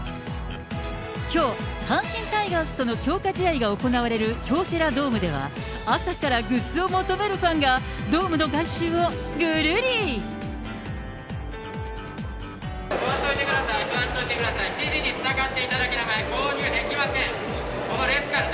きょう、阪神タイガースとの強化試合が行われる京セラドームでは、朝からグッズを求めるファンが、座っといてください、座っといてください、指示に従っていただけない場合、購入できません。